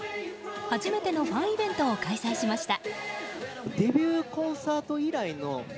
初めてのファンイベントを開催しました。